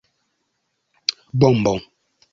Bombo!